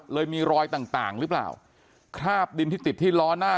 เลยมีรอยต่างต่างหรือเปล่าคราบดินที่ติดที่ล้อหน้า